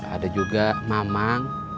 ada juga mamang